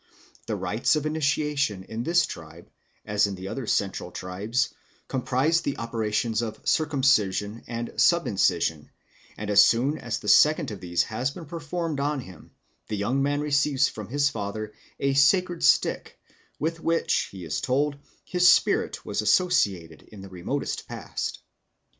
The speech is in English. The rites of initiation in this tribe, as in the other Central tribes, comprise the operations of circumcision and subincision; and as soon as the second of these has been performed on him, the young man receives from his father a sacred stick (churinga), with which, he is told, his spirit was associated in the remotest past.